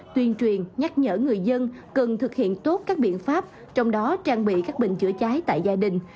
tuyên truyền nhắc nhở người dân cần thực hiện tốt các biện pháp trong đó trang bị các bình chữa cháy tại gia đình